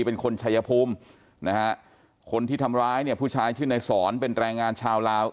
เป็นคนชายภูมินะฮะคนที่ทำร้ายเนี่ยผู้ชายชื่อในสอนเป็นแรงงานชาวลาว